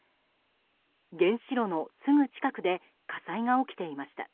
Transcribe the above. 原子炉のすぐ近くで火災が起きていました。